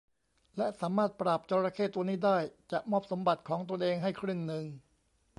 และสามารถปราบจระเข้ตัวนี้ได้จะมอบสมบัติของตนเองให้ครึ่งหนึ่ง